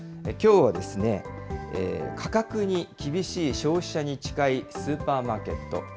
きょうはですね、価格に厳しい消費者に近いスーパーマーケット。